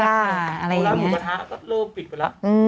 หมูกระทะก็เริ่มปิดไปแล้ว